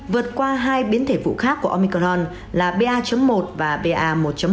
vượt qua hai biến thể vụ khác của omicron là ba một và ba một